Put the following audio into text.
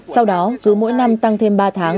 sau đó cứ mỗi năm tăng thêm ba tháng